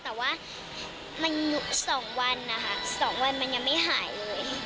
แต่ว่ามัน๒วันนะคะ๒วันมันยังไม่หายเลย